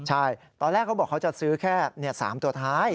ใช่ตอนแรกเขาบอกเขาจะซื้อแค่๓ตัวท้าย